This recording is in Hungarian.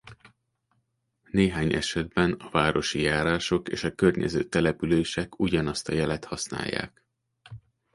Néhány esetben a városi járások és a környező települések ugyanazt a jelet használják.